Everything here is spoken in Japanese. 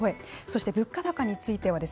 そして物価高についてはですね